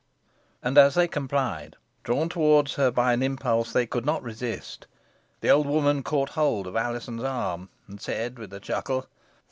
And as they complied, drawn towards her by an impulse they could not resist, the old woman caught hold of Alizon's arm, and said with a chuckle.